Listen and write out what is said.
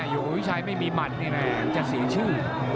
อยู่หัววิทยาลัยไม่มีมันเนี่ยแหละจะสีชื่อ